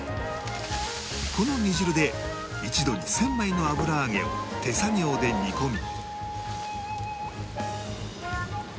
この煮汁で一度に１０００枚の油揚げを手作業で煮込み